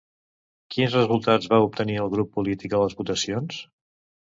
Quins resultats va obtenir el grup polític a les votacions?